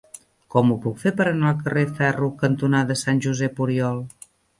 Com ho puc fer per anar al carrer Ferro cantonada Sant Josep Oriol?